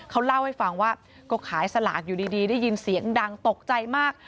เขาเล่าให้ฟังว่าก็ขายสลากอยู่ดีได้ยินเสียงดังตกใจมาก